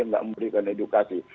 enggak memberikan edukasi